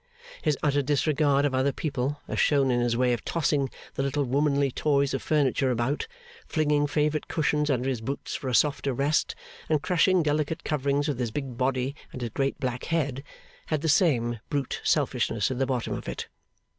His utter disregard of other people, as shown in his way of tossing the little womanly toys of furniture about, flinging favourite cushions under his boots for a softer rest, and crushing delicate coverings with his big body and his great black head, had the same brute selfishness at the bottom of it.